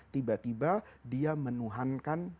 tiba tiba dia menuhankan